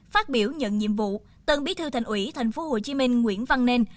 phát biểu nhận nhiệm vụ tân bí thư thành quỷ tp hcm nguyễn văn nền